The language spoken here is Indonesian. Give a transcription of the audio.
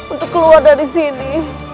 untuk keluar dari sini